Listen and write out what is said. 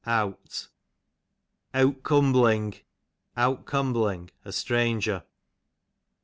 Eawtcumbling, out cumbling, a stranger.